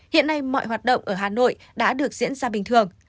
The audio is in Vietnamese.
hiện nay mọi hoạt động ở hà nội đã được diễn ra bình thường